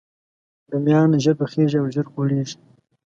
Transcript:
رومیان ژر پخیږي او ژر خورېږي